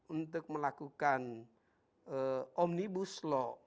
untuk melakukan omnibus law